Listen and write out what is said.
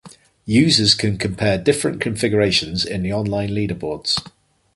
Users can compare different configurations in the online leaderboards.